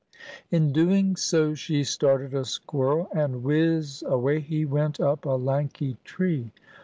In doing so, she startled a squirrel, and whizz!—away he went up a lanky tree.